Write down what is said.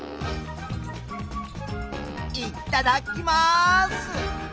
いっただっきます！